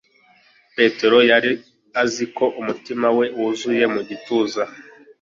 Petero yari azi ko umutima we wuzuye mu gituza